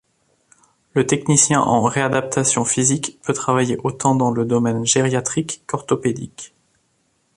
Le technicien en réadaptation physique peut travailler autant dans le domaine gériatrique qu'orthopédique.